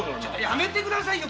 やめてくださいよ！